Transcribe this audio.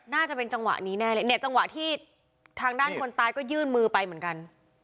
น่าจะเป็นจังหวะนี้แน่เลยเนี่ยจังหวะที่ทางด้านคนตายก็ยื่นมือไปเหมือนกัน